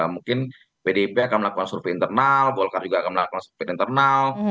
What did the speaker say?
mungkin pdip akan melakukan survei internal golkar juga akan melakukan survei internal